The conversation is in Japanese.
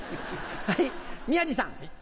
はい宮治さん。